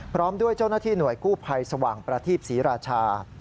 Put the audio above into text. พร้อมด้วยเจ้าหน้าที่หน่วยกู้ภัยสว่างประทีปศรีราชา